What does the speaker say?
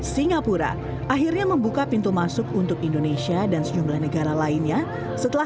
singapura akhirnya membuka pintu masuk untuk indonesia dan sejumlah negara lainnya setelah